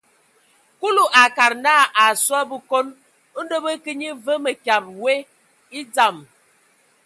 Kulu a akad naa, a asɔ a Bǝkon, ndɔ bə kə nye və mǝkyǝbe we e dzam.